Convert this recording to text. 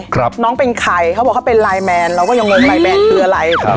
ครับน้องเป็นใครเขาบอกเขาเป็นไลน์แมนเราก็ยังงงไลนแมนคืออะไรครับ